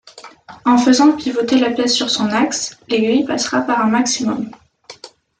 En faisant pivoter la pièce sur son axe, l'aiguille passera par un maximum.